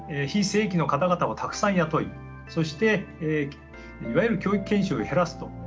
非正規の方々をたくさん雇いそしていわゆる教育研修を減らすと。